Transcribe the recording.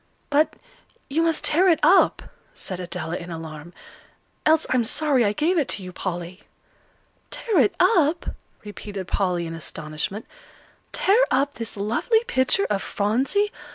"But, you must tear it up," said Adela, in alarm, "else I'm sorry I gave it to you, Polly." "Tear it up!" repeated Polly, in astonishment; "tear up this lovely picture of Phronsie!